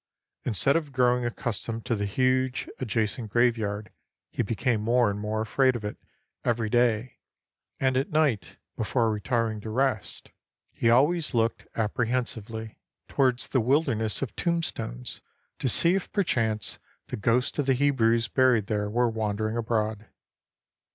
Instead of growing accustomed to the huge adjacent graveyard, he became more and more afraid of it every day, and at night before retiring to rest he always looked apprehensively 542 THE SILENT ARMY towards that wilderness of tombstones to sec if per chance the ghosts of the Hebrews buried there were wandering abroad.